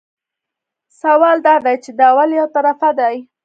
سوال دا دی چې دا ولې یو طرفه دي.